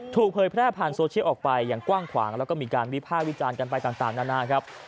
เผยแพร่ผ่านโซเชียลออกไปอย่างกว้างขวางแล้วก็มีการวิภาควิจารณ์กันไปต่างนานาครับ